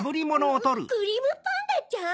クリームパンダちゃん？